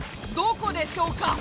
どこでしょうか？